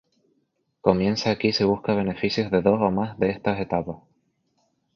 Comience aquí si busca beneficios de dos o más de estas etapas.